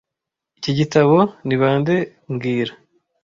Iki gitabo ni bande mbwira